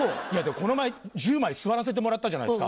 この前１０枚座らせてもらったじゃないっすか。